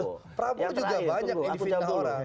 prabowo juga banyak individual orang